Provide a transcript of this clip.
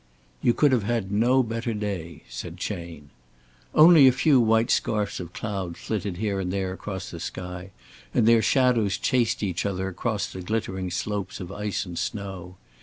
"You could have had no better day," said Chayne. Only a few white scarfs of cloud flitted here and there across the sky and their shadows chased each other across the glittering slopes of ice and snow.